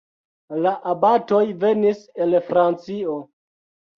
La abatoj venis el Francio.